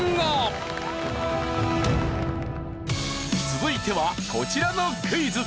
続いてはこちらのクイズ。